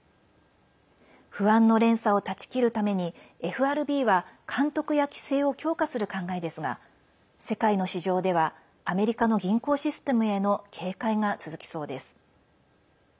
不安の連鎖を断ち切るためにＦＲＢは監督や規制を強化する考えですが世界の市場ではアメリカの銀行システムへの警戒が続きそうです。